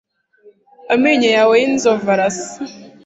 amenyo yawe yinzovu arasa